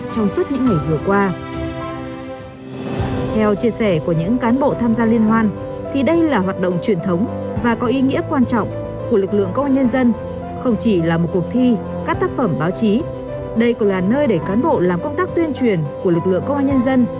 chỉ là một cuộc thi các tác phẩm báo chí đây còn là nơi để cán bộ làm công tác tuyên truyền của lực lượng công an nhân dân